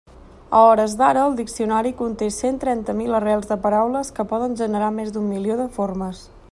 A hores d'ara el diccionari conté cent trenta mil arrels de paraules que poden generar més d'un milió de formes.